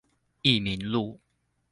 益民路